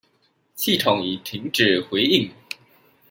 系統已停止回應